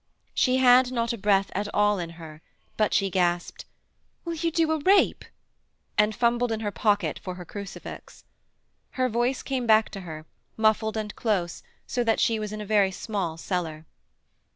She had not a breath at all in her, but she gasped: 'Will you do a rape?' and fumbled in her pocket for her crucifix. Her voice came back to her, muffled and close, so that she was in a very small cellar.